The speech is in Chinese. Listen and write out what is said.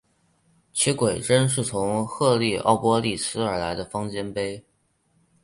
其晷针是从赫利奥波利斯而来的方尖碑。